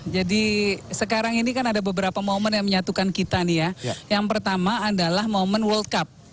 jadi sekarang ini kan ada beberapa momen yang menyatukan kita nih ya yang pertama adalah momen world cup